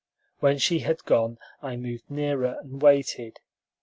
When she had gone, I moved nearer, and waited.